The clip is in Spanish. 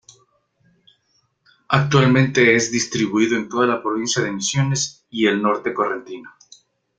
Actualmente, es distribuido en toda la provincia de Misiones y el norte correntino.